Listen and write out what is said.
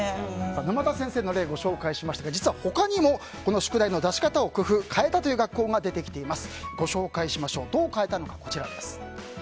沼田先生の例をご紹介しましたが実は他にも宿題の出し方を工夫変えたという学校が出てきています。